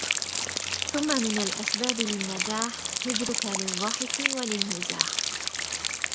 ثم من الأسباب للنجاح هجرك للضحك وللمزاح